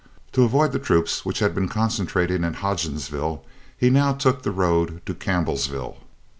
To avoid the troops which had been concentrating at Hodgensville, he now took the road to Campbellsville.